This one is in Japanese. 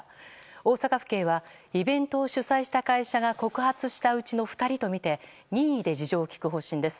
大阪府警はイベントを主催した会社が告発したうちの２人とみて任意で事情を聴く方針です。